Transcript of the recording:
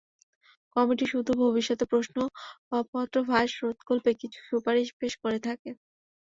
Committee শুধু ভবিষ্যতে প্রশ্নপত্র ফাঁস রোধকল্পে কিছু সুপারিশ পেশ করে থাকে।